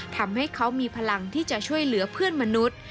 ทำให้เขามีพลังที่จะช่วยเหลือเพื่อนมนุษย์